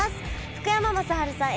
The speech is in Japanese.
福山雅治さん